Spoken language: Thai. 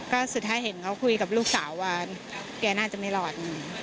ก็สุดท้ายเห็นเขาคุยกับลูกสาวว่าแกน่าจะไม่รอด